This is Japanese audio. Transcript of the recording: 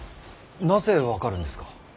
なぜ分かるんですか。